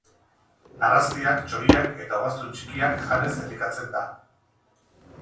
Narrastiak, txoriak eta ugaztun txikiak janez elikatzen da.